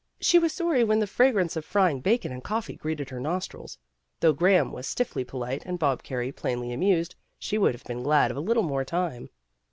She was sorry when the fra grance of frying bacon and coffee greeted her nostrils. Though Graham was stiffly polite and Bob Carey plainly amused, she would have been glad of a little more time.